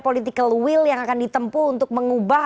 political will yang akan ditempu untuk mengubah